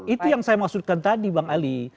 itu yang saya maksudkan tadi bang ali